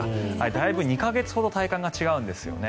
だいぶ、２か月ほど体感が違うんですよね。